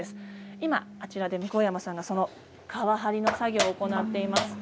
今あちらで向山さんがその皮張りの作業を行っています。